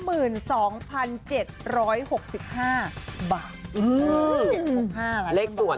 อืมเลขส่วนเลขส่วน